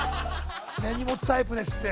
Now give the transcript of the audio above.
根に持つタイプですって。